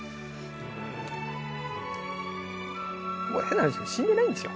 変な話ね死んでないんですよ